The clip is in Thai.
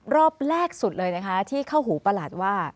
รอบแรกสุดเลยนะคะที่เข้าหูประหลัดว่า